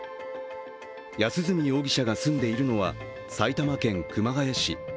安栖容疑者が住んでいるのは埼玉県熊谷市。